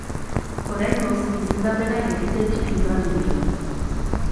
Oraingoz, izendapenak egitetik libratu dira.